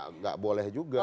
enggak boleh juga